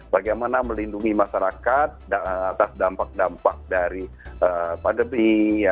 bagaimana melindungi masyarakat atas dampak dampak dari pandemi